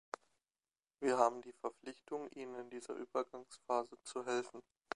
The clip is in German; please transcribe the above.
Wir haben die Verpflichtung, ihnen in dieser Übergangsphase zu helfen.